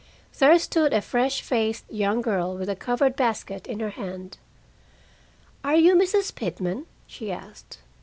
There stood a fresh faced young girl, with a covered basket in her hand. "Are you Mrs. Pitman?" she asked.